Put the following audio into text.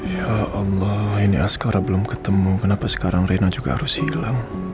ya allah ini askara belum ketemu kenapa sekarang rina juga harus hilang